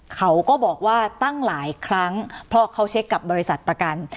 เขาก็บอกว่าตั้งหลายครั้งเพราะเขาเช็คกับบริษัทประกัน